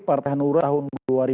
partai hanura tahun dua ribu tujuh